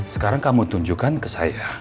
sekarang kamu tunjukkan ke saya